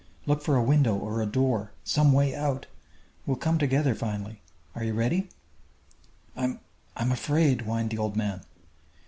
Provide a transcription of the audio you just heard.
Look for a window or a door some way out! We'll come together finally. Are you ready?" "I'm I'm afraid," whined the old man.